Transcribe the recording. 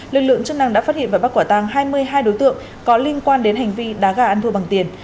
lực lượng chức năng đã phát hiện và bắt quả tăng hai mươi hai đối tượng có liên quan đến hành vi đá gà ăn thua bằng tiền